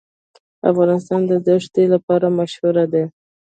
افغانستان د دښتې لپاره مشهور دی.